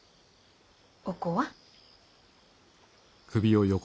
お子は？